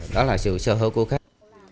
đó là sự sơ hữu của khách